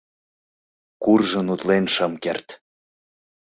Куржын утлен шым керт: